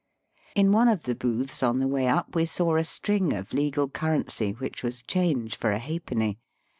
In one of the booths on the way up we saw a string of legal currency which was change for a halfpenny.